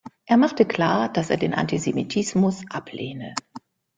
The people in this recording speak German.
Er machte klar, dass er den Antisemitismus ablehne.